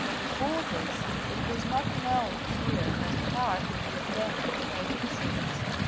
Before this it was not known here that tar could be obtained from the native trees.